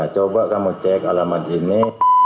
coba kamu cek alamat ini